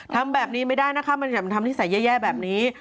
ทำแบบนี้ไม่ได้นะคะมันจะทำนิสัยแย่แบบนี้